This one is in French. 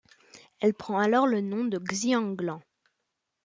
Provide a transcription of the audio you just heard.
Elle prend alors le nom de Xianglan.